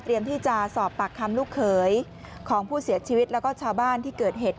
ที่จะสอบปากคำลูกเขยของผู้เสียชีวิตแล้วก็ชาวบ้านที่เกิดเหตุ